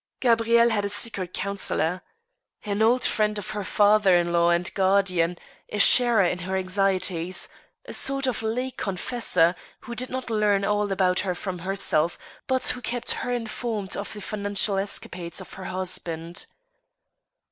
Gabrieile had a secret counselor. An old friend of her father in law and guardian, a sharer in her anxieties, a sort of lay confessor, who did not learn all about her from herself, but who kept her in formed of the financial escapades of her husband.